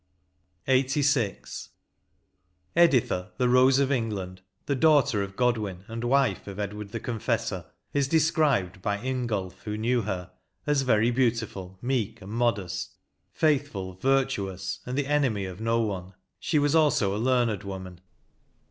172 LXXXVI. Editha, "the rose of England," the daughter of Godwin, and wife of Edward the Confessor, is described by Ingulf, who knew her, as very beauti fill, meek, and modest, faithful, virtnous, and the enemy of no one ; she was also a learned woman.